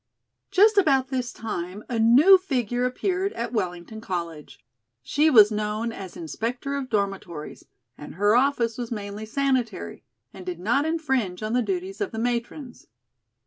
Just about this time a new figure appeared at Wellington College. She was known as "inspector of dormitories," and her office was mainly sanitary, and did not infringe on the duties of the matrons.